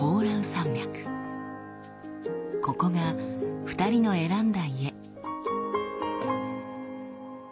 ここが２人の選んだ家。